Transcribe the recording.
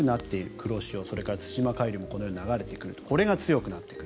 黒潮それから対馬海流もこのように流れてくるとこれが強くなってくる。